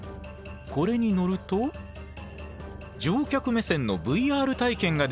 これに乗ると乗客目線のＶＲ体験ができるんです。